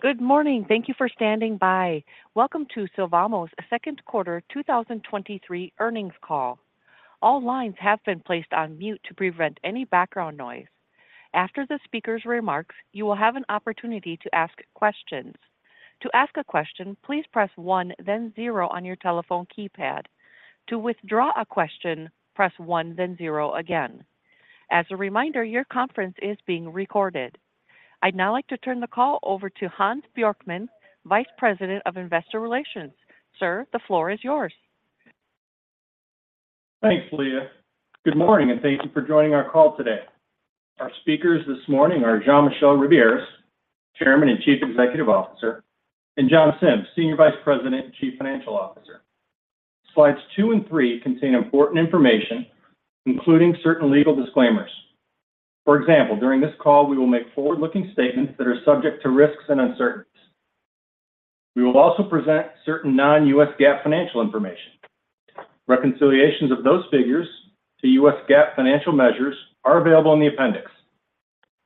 Good morning. Thank you for standing by. Welcome to Sylvamo's second quarter 2023 earnings call. All lines have been placed on mute to prevent any background noise. After the speaker's remarks, you will have an opportunity to ask questions. To ask a question, please press 1, then 0 on your telephone keypad. To withdraw a question, press 1, then 0 again. As a reminder, your conference is being recorded. I'd now like to turn the call over to Hans Bjorkman, Vice President of Investor Relations. Sir, the floor is yours. Thanks, Leah. Good morning, thank you for joining our call today. Our speakers this morning are Jean-Michel Ribiéras, Chairman and Chief Executive Officer, and John Sims, Senior Vice President and Chief Financial Officer. Slides 2 and 3 contain important information, including certain legal disclaimers. For example, during this call, we will make forward-looking statements that are subject to risks and uncertainties. We will also present certain non-U.S. GAAP financial information. Reconciliations of those figures to U.S. GAAP financial measures are available in the appendix.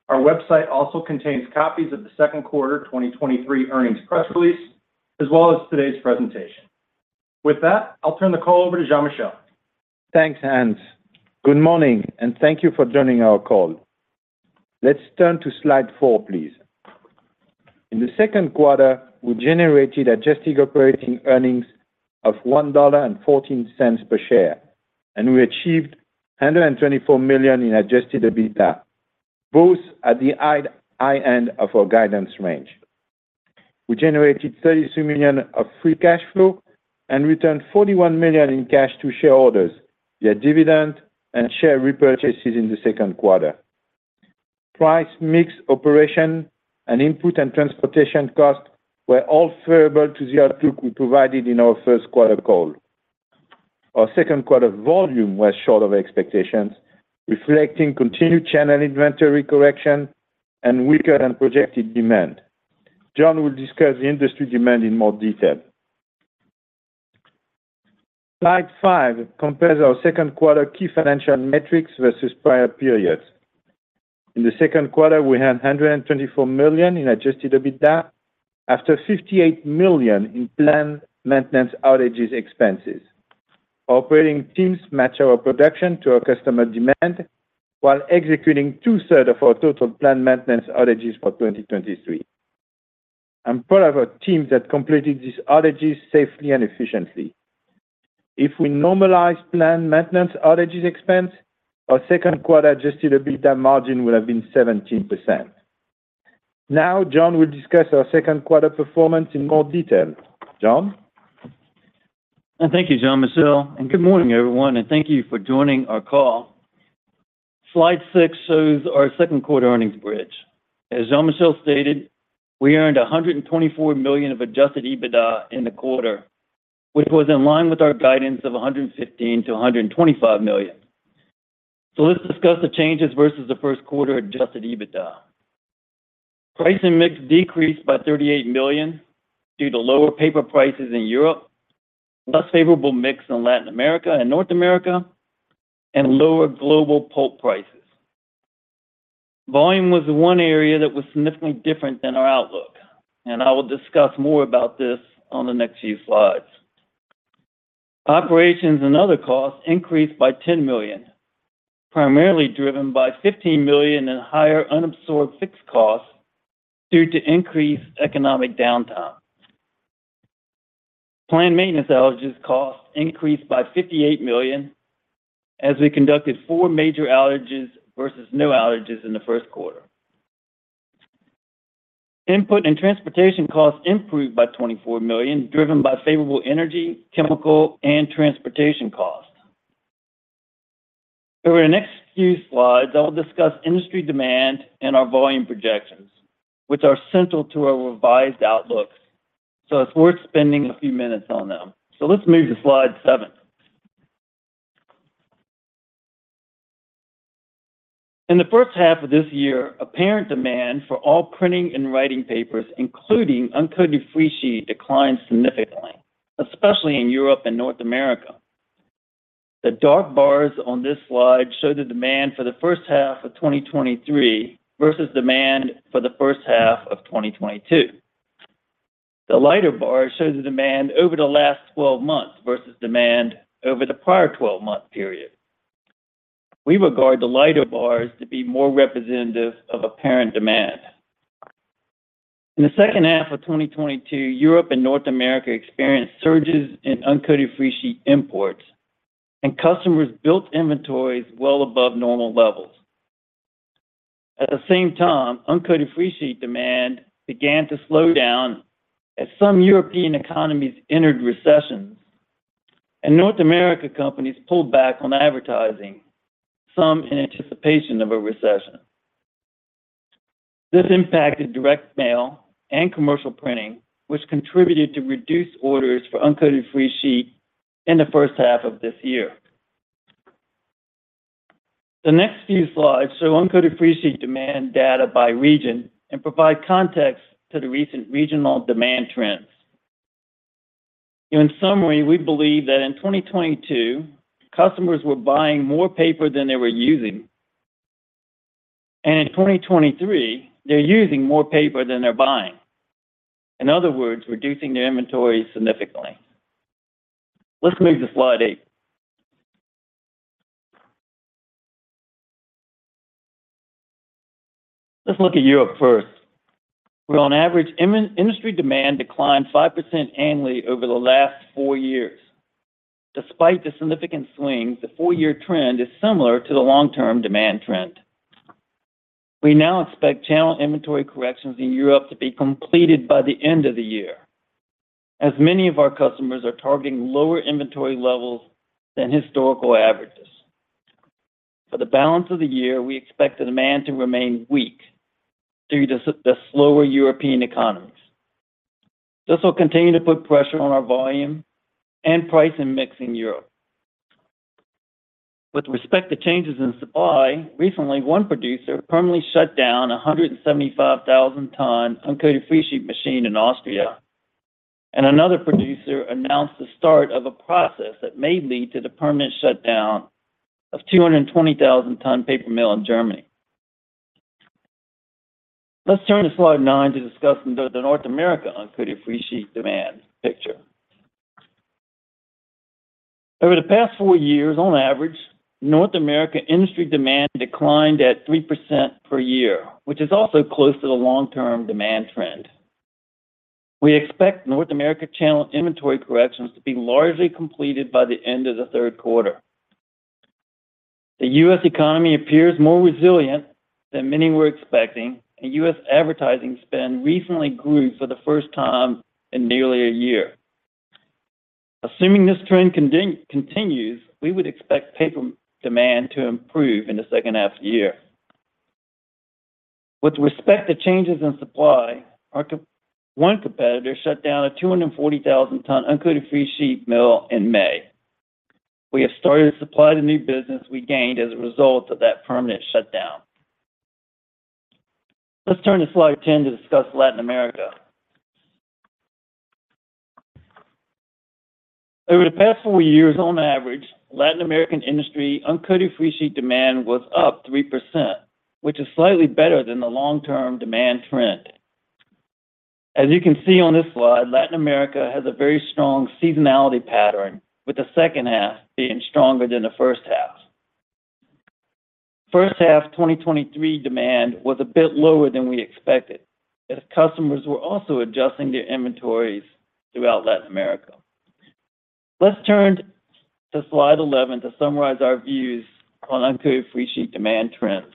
Our website also contains copies of the second quarter 2023 earnings press release, as well as today's presentation. With that, I'll turn the call over to Jean-Michel. Thanks, Hans. Good morning. Thank you for joining our call. Let's turn to slide 4, please. In the second quarter, we generated adjusted operating earnings of $1.14 per share, and we achieved $124 million in adjusted EBITDA, both at the high, high end of our guidance range. We generated $32 million of free cash flow and returned $41 million in cash to shareowners via dividend and share repurchases in the second quarter. Price, mix, operation, and input and transportation costs were all favorable to the outlook we provided in our first quarter call. Our second quarter volume was short of expectations, reflecting continued channel inventory correction and weaker than projected demand. John will discuss the industry demand in more detail. Slide 5 compares our second quarter key financial metrics versus prior periods. In the second quarter, we had $124 million in adjusted EBITDA after $58 million in planned maintenance outages expenses. Our operating teams match our production to our customer demand while executing two-third of our total planned maintenance outages for 2023. I'm proud of our teams that completed these outages safely and efficiently. If we normalize planned maintenance outages expense, our second quarter adjusted EBITDA margin would have been 17%. Now, John will discuss our second quarter performance in more detail. John? Thank you, Jean-Michel, and good morning, everyone, and thank you for joining our call. Slide six shows our second quarter earnings bridge. As Jean-Michel stated, we earned $124 million of adjusted EBITDA in the quarter, which was in line with our guidance of $115 million-$125 million. Let's discuss the changes versus the first quarter adjusted EBITDA. Price and mix decreased by $38 million due to lower paper prices in Europe, less favorable mix in Latin America and North America, and lower global pulp prices. Volume was the one area that was significantly different than our outlook, and I will discuss more about this on the next few slides. Operations and other costs increased by $10 million, primarily driven by $15 million in higher unabsorbed fixed costs due to increased economic downtime. Planned maintenance outages costs increased by $58 million as we conducted four major outages versus no outages in the first quarter. Input and transportation costs improved by $24 million, driven by favorable energy, chemical, and transportation costs. Over the next few slides, I'll discuss industry demand and our volume projections, which are central to our revised outlooks, so it's worth spending a few minutes on them. Let's move to slide 7. In the first half of this year, apparent demand for all printing and writing papers, including uncoated freesheet, declined significantly, especially in Europe and North America. The dark bars on this slide show the demand for the first half of 2023 versus demand for the first half of 2022. The lighter bar shows the demand over the last 12 months versus demand over the prior 12-month period. We regard the lighter bars to be more representative of apparent demand. In the second half of 2022, Europe and North America experienced surges in uncoated freesheet imports, and customers built inventories well above normal levels. At the same time, uncoated freesheet demand began to slow down as some European economies entered recessions, and North America companies pulled back on advertising, some in anticipation of a recession. This impacted direct mail and commercial printing, which contributed to reduced orders for uncoated freesheet in the first half of this year. The next few slides show uncoated freesheet demand data by region and provide context to the recent regional demand trends. In summary, we believe that in 2022, customers were buying more paper than they were using. In 2023, they're using more paper than they're buying. In other words, reducing their inventory significantly. Let's move to slide 8. Let's look at Europe first, where on average, industry demand declined 5% annually over the last 4 years. Despite the significant swing, the 4-year trend is similar to the long-term demand trend. We now expect channel inventory corrections in Europe to be completed by the end of the year, as many of our customers are targeting lower inventory levels than historical averages. For the balance of the year, we expect the demand to remain weak due to the slower European economies. This will continue to put pressure on our volume and price, and mix in Europe. With respect to changes in supply, recently, one producer permanently shut down a 175,000 ton uncoated freesheet machine in Austria, and another producer announced the start of a process that may lead to the permanent shutdown of 220,000 ton paper mill in Germany. Let's turn to slide 9 to discuss the North America uncoated freesheet demand picture. Over the past 4 years, on average, North America industry demand declined at 3% per year, which is also close to the long-term demand trend. We expect North America channel inventory corrections to be largely completed by the end of the third quarter. The U.S. economy appears more resilient than many were expecting, and U.S. advertising spend recently grew for the first time in nearly a year. Assuming this trend continues, we would expect paper demand to improve in the second half of the year. With respect to changes in supply, our one competitor shut down a 240,000 ton uncoated freesheet mill in May. We have started to supply the new business we gained as a result of that permanent shutdown. Let's turn to slide 10 to discuss Latin America. Over the past four years, on average, Latin American industry uncoated freesheet demand was up 3%, which is slightly better than the long-term demand trend. As you can see on this slide, Latin America has a very strong seasonality pattern, with the second half being stronger than the first half. First half 2023 demand was a bit lower than we expected, as customers were also adjusting their inventories throughout Latin America. Let's turn to slide 11 to summarize our views on uncoated freesheet demand trends.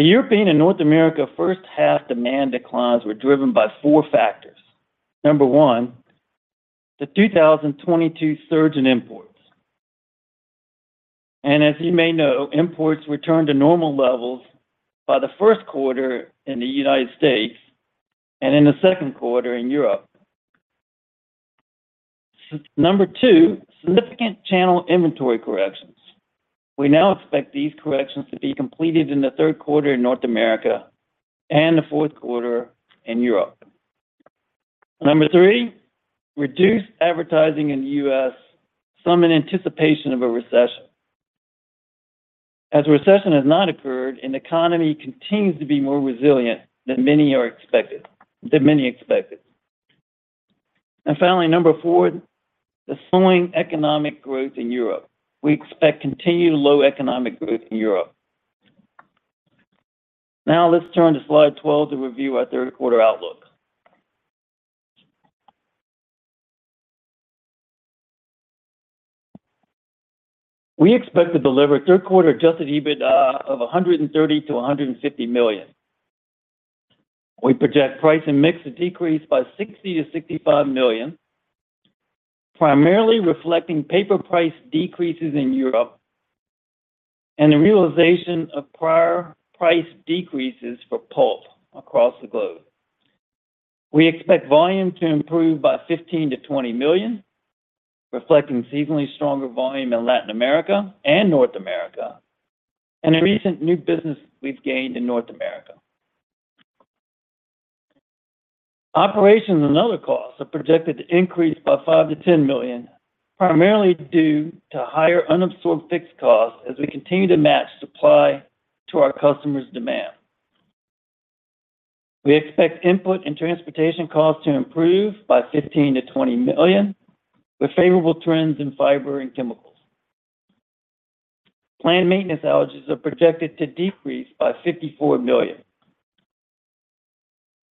The European and North America first half demand declines were driven by four factors. Number one, the 2022 surge in imports. As you may know, imports returned to normal levels by the first quarter in the United States and in the second quarter in Europe. Number two, significant channel inventory corrections. We now expect these corrections to be completed in the third quarter in North America and the fourth quarter in Europe. Number three, reduced advertising in the US, some in anticipation of a recession. As a recession has not occurred, and the economy continues to be more resilient than many expected. Finally, number four, the slowing economic growth in Europe. We expect continued low economic growth in Europe. Now, let's turn to slide 12 to review our third quarter outlook. We expect to deliver a third quarter adjusted EBITDA of $130 million-$150 million. We project price and mix to decrease by $60 million-$65 million, primarily reflecting paper price decreases in Europe and the realization of prior price decreases for pulp across the globe. We expect volume to improve by $15 million-$20 million, reflecting seasonally stronger volume in Latin America and North America, and the recent new business we've gained in North America. Operations and other costs are projected to increase by $5 million-$10 million, primarily due to higher unabsorbed fixed costs as we continue to match supply to our customers' demand. We expect input and transportation costs to improve by $15 million-$20 million, with favorable trends in fiber and chemicals. Planned maintenance outages are projected to decrease by $54 million.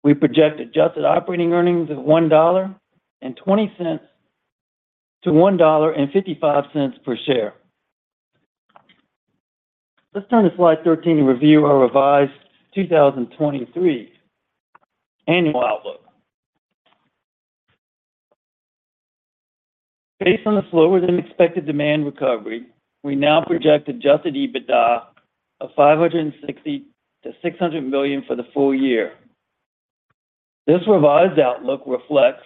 We project adjusted operating earnings of $1.20 to $1.55 per share. Let's turn to slide 13 and review our revised 2023 annual outlook. Based on the slower-than-expected demand recovery, we now project adjusted EBITDA of $560 million-$600 million for the full year. This revised outlook reflects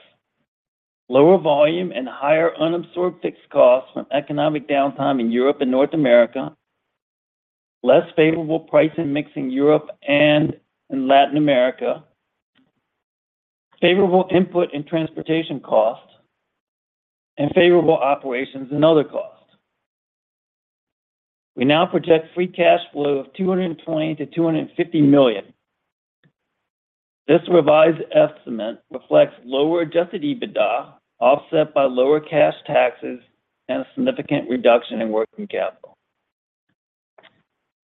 lower volume and higher unabsorbed fixed costs from economic downtime in Europe and North America, less favorable pricing and mix in Europe and in Latin America, favorable input and transportation costs, and favorable operations and other costs. We now project free cash flow of $220 million-$250 million. This revised estimate reflects lower adjusted EBITDA, offset by lower cash taxes and a significant reduction in working capital.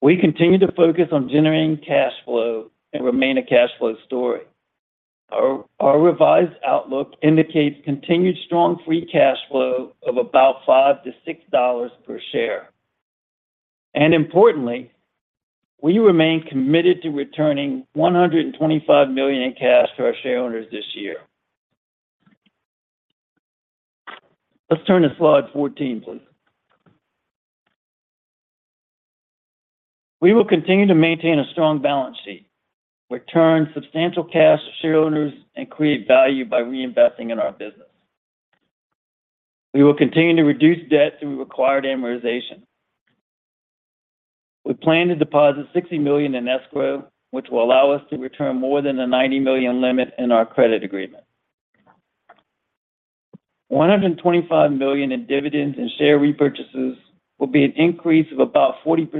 We continue to focus on generating cash flow and remain a cash flow story. Our revised outlook indicates continued strong free cash flow of about $5-$6 per share. Importantly, we remain committed to returning $125 million in cash to our shareowners this year. Let's turn to slide 14, please. We will continue to maintain a strong balance sheet, return substantial cash to shareowners, and create value by reinvesting in our business. We will continue to reduce debt through required amortization. We plan to deposit $60 million in escrow, which will allow us to return more than the $90 million limit in our credit agreement. $125 million in dividends and share repurchases will be an increase of about 40%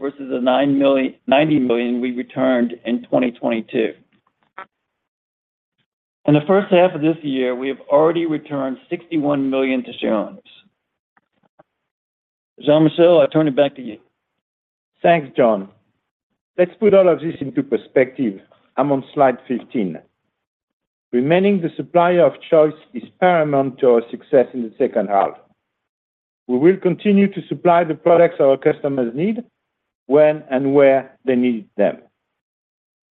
versus the $90 million we returned in 2022. In the first half of this year, we have already returned $61 million to shareowners. Jean-Michel, I turn it back to you. Thanks, John. Let's put all of this into perspective. I'm on slide 15. Remaining the supplier of choice is paramount to our success in the second half. We will continue to supply the products our customers need, when and where they need them.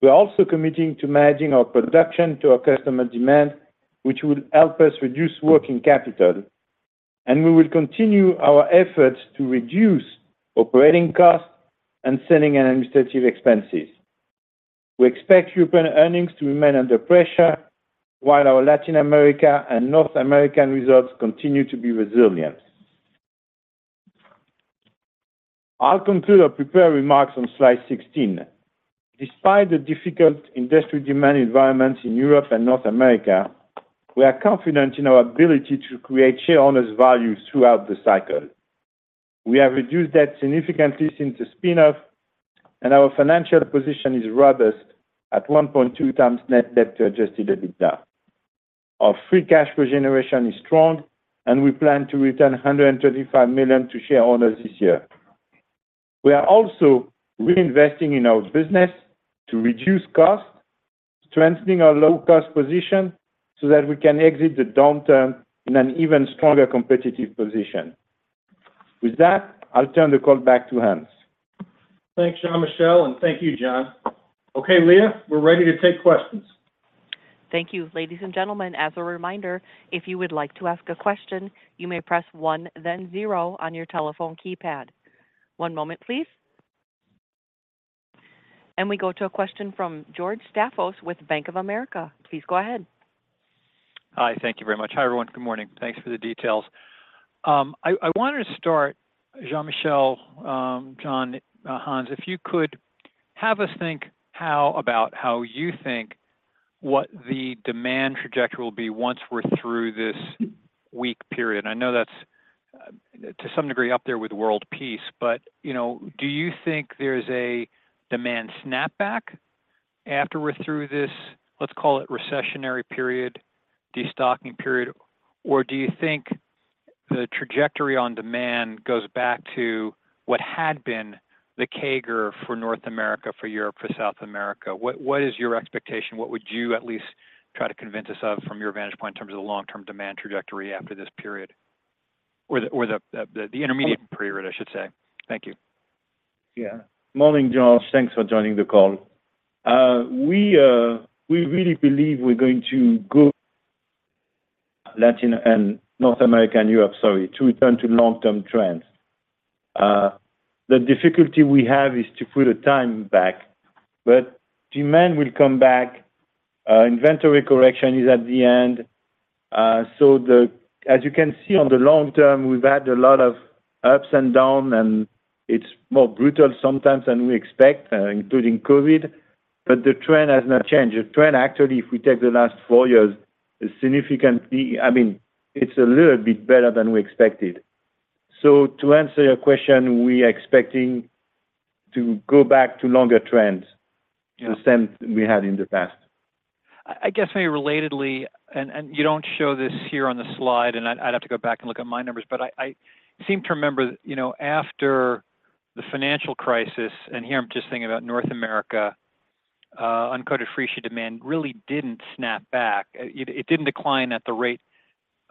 We're also committing to managing our production to our customer demand, which will help us reduce working capital, and we will continue our efforts to reduce operating costs and selling and administrative expenses. We expect European earnings to remain under pressure, while our Latin America and North American results continue to be resilient. I'll conclude our prepared remarks on slide 16. Despite the difficult industry demand environments in Europe and North America, we are confident in our ability to create shareholders values throughout the cycle. We have reduced debt significantly since the spin-off, and our financial position is robust at 1.2x net debt to adjusted EBITDA. Our free cash flow generation is strong, and we plan to return $135 million to shareholders this year. We are also reinvesting in our business to reduce costs, strengthening our low-cost position, so that we can exit the downturn in an even stronger competitive position. With that, I'll turn the call back to Hans. Thanks, Jean-Michel, and thank you, John. Okay, Leah, we're ready to take questions. Thank you. Ladies and gentlemen, as a reminder, if you would like to ask a question, you may press 1, then 0 on your telephone keypad. One moment, please. We go to a question from George Staphos with Bank of America. Please go ahead. Hi, thank you very much. Hi, everyone. Good morning. Thanks for the details. I, I wanted to start, Jean-Michel, John, Hans, if you could have us think how about how you think what the demand trajectory will be once we're through this weak period. I know that's to some degree up there with world peace, but, you know, do you think there's a demand snapback after we're through this, let's call it recessionary period, destocking period? Or do you think the trajectory on demand goes back to what had been the CAGR for North America, for Europe, for South America? What, what is your expectation? What would you at least try to convince us of from your vantage point in terms of the long-term demand trajectory after this period? Or the, or the, the, the intermediate period, I should say. Thank you. Yeah. Morning, George. Thanks for joining the call. We really believe we're going to go Latin and North America and Europe, sorry, to return to long-term trends. The difficulty we have is to put a time back. Demand will come back. Inventory correction is at the end. As you can see on the long-term, we've had a lot of ups and down, and it's more brutal sometimes than we expect, including COVID, but the trend has not changed. The trend, actually, if we take the last four years, is significantly- I mean, it's a little bit better than we expected. To answer your question, we are expecting to go back to longer trends- Yeah... the same we had in the past. I, I guess, maybe relatedly, and, and you don't show this here on the slide, and I'd, I'd have to go back and look at my numbers, but I, I seem to remember, you know, after the financial crisis, and here I'm just thinking about North America, uncoated freesheet demand really didn't snap back. It, it didn't decline at the rate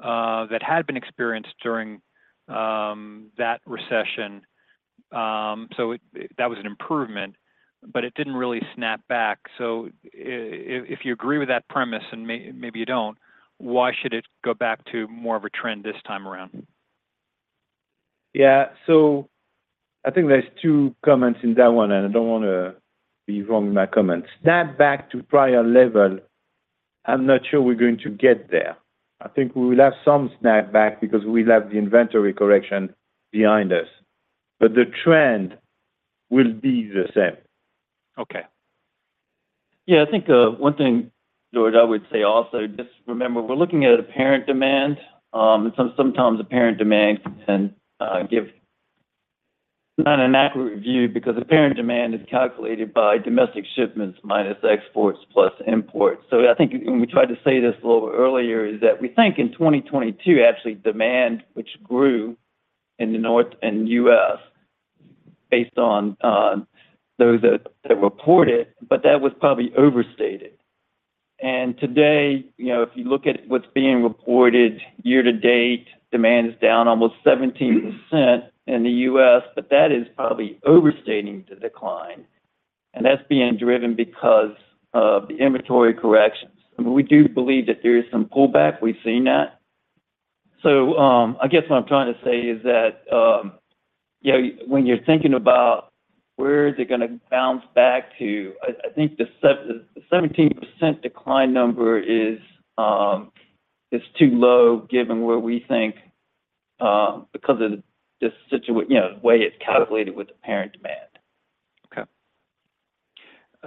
that had been experienced during that recession. So it that was an improvement, but it didn't really snap back. So if, if you agree with that premise, and maybe you don't, why should it go back to more of a trend this time around? Yeah. I think there's two comments in that one, and I don't wanna be wrong in my comments. Snap back to prior level-... I'm not sure we're going to get there. I think we will have some snapback because we'll have the inventory correction behind us, but the trend will be the same. Okay. Yeah, I think, one thing, George, I would say also, just remember, we're looking at apparent demand. Sometimes apparent demand can give not an accurate view because apparent demand is calculated by domestic shipments minus exports plus imports. I think, and we tried to say this a little earlier, is that we think in 2022, actually, demand, which grew in North America and United States based on those that report it, but that was probably overstated. Today, you know, if you look at what's being reported year to date, demand is down almost 17% in the United States, but that is probably overstating the decline, and that's being driven because of the inventory corrections. We do believe that there is some pullback. We've seen that. I guess what I'm trying to say is that, you know, when you're thinking about where is it gonna bounce back to, I, I think the 17% decline number is too low, given where we think, because of the you know, the way it's calculated with the apparent demand.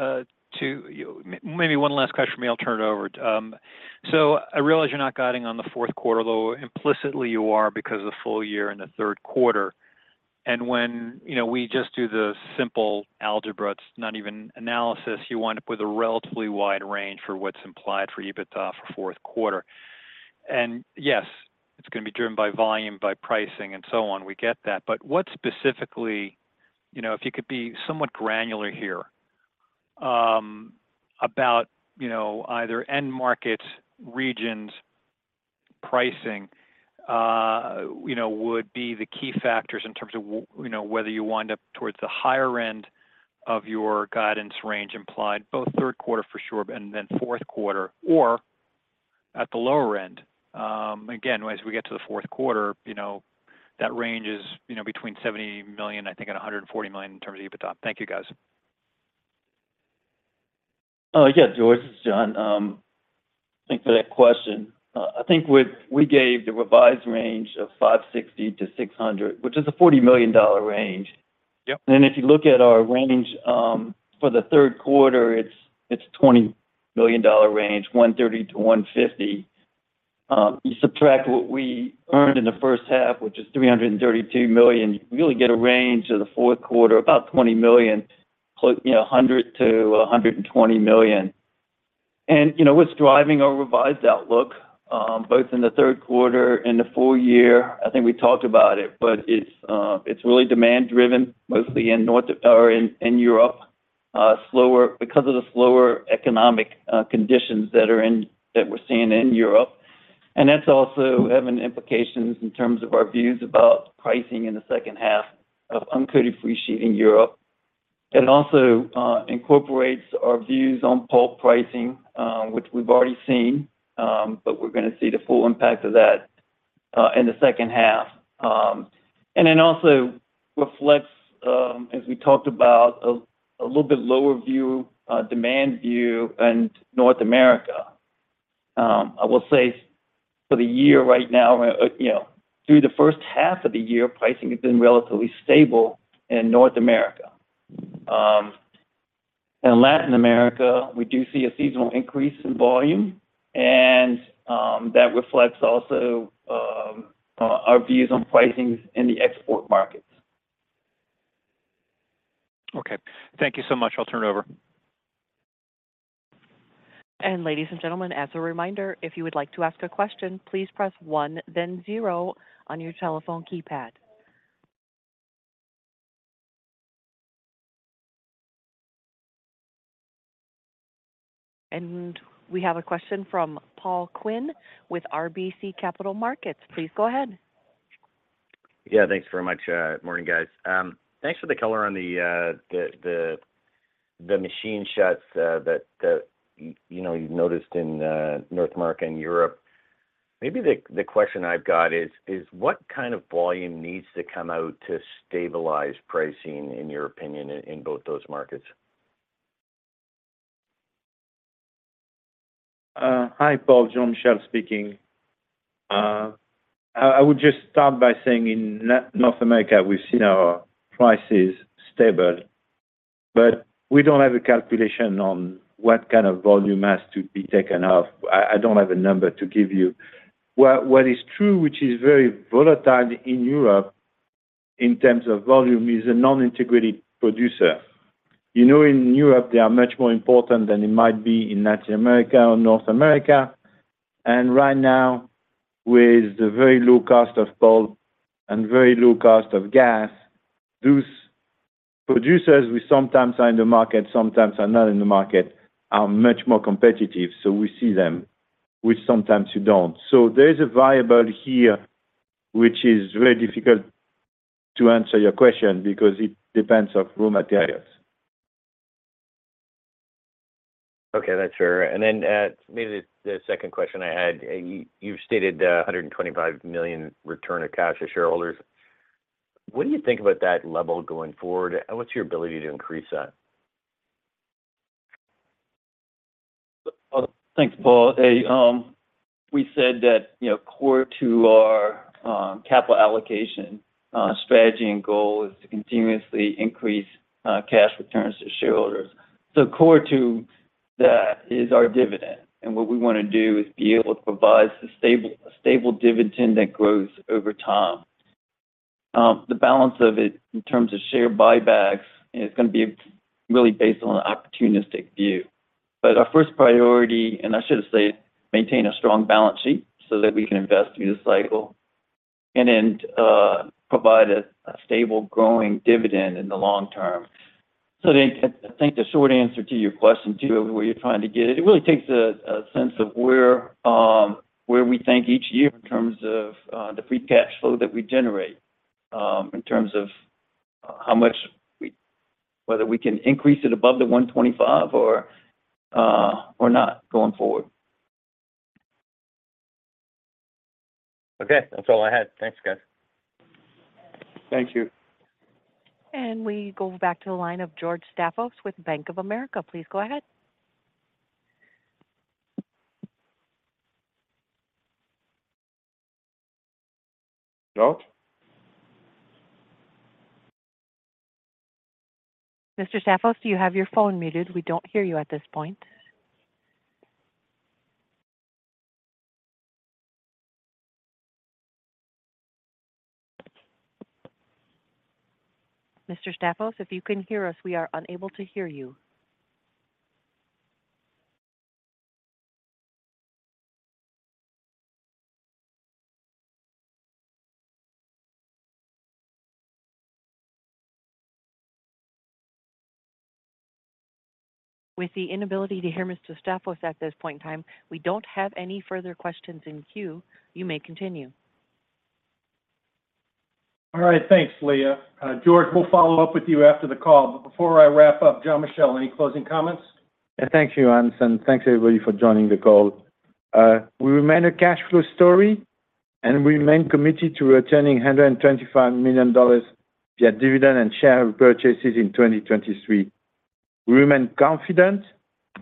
Okay. 2... Maybe one last question for me, I'll turn it over. So I realize you're not guiding on the 4th quarter, though implicitly you are, because of the full year and the 3rd quarter. When, you know, we just do the simple algebra, it's not even analysis, you wind up with a relatively wide range for what's implied for EBITDA for 4th quarter. Yes, it's gonna be driven by volume, by pricing, and so on. We get that. What specifically, you know, if you could be somewhat granular here, about, you know, either end markets, regions, pricing, you know, would be the key factors in terms of you know, whether you wind up towards the higher end of your guidance range, implied, both 3rd quarter, for sure, and then 4th quarter, or at the lower end. Again, as we get to the fourth quarter, you know, that range is, you know, between $70 million, I think, and $140 million in terms of EBITDA. Thank you, guys. Yeah, George, this is John. Thanks for that question. I think we gave the revised range of $560-$600, which is a $40 million range. Yep. If you look at our range, for the third quarter, it's, it's a $20 million range, $130-$150. You subtract what we earned in the first half, which is $332 million, you really get a range of the fourth quarter, about $20 million, you know, $100 million-$120 million. You know, what's driving our revised outlook, both in the third quarter and the full year, I think we talked about it, but it's really demand driven, mostly in Europe, because of the slower economic conditions that we're seeing in Europe. That's also having implications in terms of our views about pricing in the second half of uncoated freesheet in Europe. It also incorporates our views on pulp pricing, which we've already seen, but we're gonna see the full impact of that in the second half. It also reflects, as we talked about, a little bit lower view, demand view in North America. I will say for the year right now, you know, through the first half of the year, pricing has been relatively stable in North America. In Latin America, we do see a seasonal increase in volume, and that reflects also our views on pricing in the export markets. Okay. Thank you so much. I'll turn it over. Ladies and gentlemen, as a reminder, if you would like to ask a question, please press 1, then 0 on your telephone keypad. We have a question from Paul Quinn with RBC Capital Markets. Please go ahead. Yeah, thanks very much. Morning, guys. Thanks for the color on the, the, the, the machine shuts, that, you know, you've noticed in North America and Europe. Maybe the question I've got is: what kind of volume needs to come out to stabilize pricing, in your opinion, in both those markets? Hi, Paul, Jean-Michel speaking. I would just start by saying in North America, we've seen our prices stable, but we don't have a calculation on what kind of volume has to be taken off. I don't have a number to give you. What is true, which is very volatile in Europe in terms of volume, is a non-integrated producer. You know, in Europe, they are much more important than it might be in Latin America or North America, and right now, with the very low cost of pulp and very low cost of gas, those producers, who sometimes are in the market, sometimes are not in the market, are much more competitive, so we see them, which sometimes you don't. There is a variable here, which is very difficult to answer your question because it depends on raw materials. Okay, that's fair. Then maybe the, the second question I had, you, you've stated, $125 million return of cash to shareholders. What do you think about that level going forward, and what's your ability to increase that? Thanks, Paul. Hey, we said that, you know, core to our capital allocation strategy and goal is to continuously increase cash returns to shareowners. Core to that is our dividend, and what we want to do is be able to provide a stable, a stable dividend that grows over time. The balance of it in terms of share buybacks is gonna be really based on an opportunistic view. Our first priority, and I should say, maintain a strong balance sheet so that we can invest through the cycle and then provide a stable growing dividend in the long term. I think the short answer to your question too, where you're trying to get it, it really takes a sense of where, where we think each year in terms of the free cash flow that we generate, in terms of how much whether we can increase it above the $125 or not going forward. Okay. That's all I had. Thanks, guys. Thank you. We go back to the line of George Staphos with Bank of America. Please go ahead. George? Mr. Staphos, do you have your phone muted? We don't hear you at this point. Mr. Staphos, if you can hear us, we are unable to hear you. With the inability to hear Mr. Staphos at this point in time, we don't have any further questions in queue. You may continue. All right. Thanks, Leah. George, we'll follow up with you after the call. Before I wrap up, Jean-Michel, any closing comments? Yeah. Thank you, Hans, and thanks, everybody, for joining the call. We remain a cash flow story, and we remain committed to returning $125 million via dividend and share purchases in 2023. We remain confident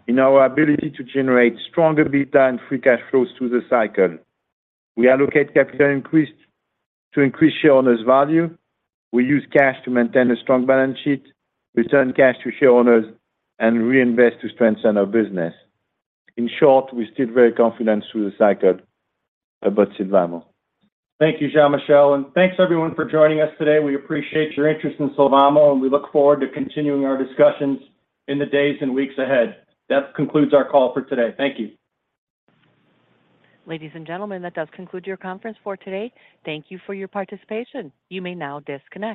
in our ability to generate stronger EBITDA and free cash flows through the cycle. We allocate capital increase to increase shareowners' value. We use cash to maintain a strong balance sheet, return cash to shareowners, and reinvest to strengthen our business. In short, we're still very confident through the cycle about Sylvamo. Thank you, Jean-Michel, and thanks, everyone, for joining us today. We appreciate your interest in Sylvamo, and we look forward to continuing our discussions in the days and weeks ahead. That concludes our call for today. Thank you. Ladies and gentlemen, that does conclude your conference for today. Thank you for your participation. You may now disconnect.